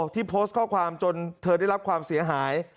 ที่โพสต์ข้อความจนเธอได้รับความเสียหาย